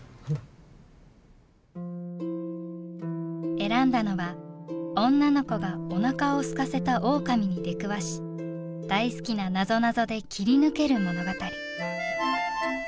選んだのは女の子がおなかをすかせたオオカミに出くわし大好きななぞなぞで切り抜ける物語。